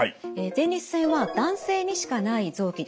前立腺は男性にしかない臓器です。